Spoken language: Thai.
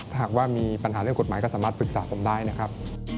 หากว่ามีปัญหาเรื่องกฎหมายก็สามารถปรึกษาผมได้นะครับ